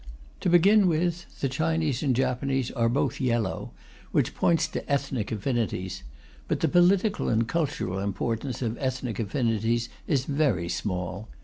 To begin with, the Chinese and Japanese are both yellow, which points to ethnic affinities; but the political and cultural importance of ethnic affinities is very small.